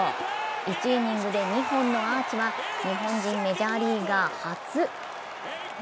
１イニングで２本のアーチは日本人メジャーリーガー初。